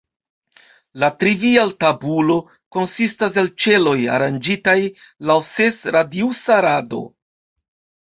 La trivial-tabulo konsistas el ĉeloj aranĝitaj laŭ ses-radiusa rado.